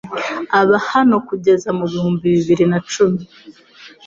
aba hano kugeza mu bihumbi bibiri nacumi